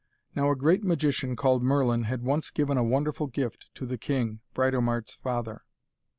Now a great magician called Merlin had once given a wonderful gift to the king, Britomart's father.